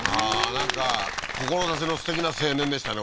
なんか志のすてきな青年でしたね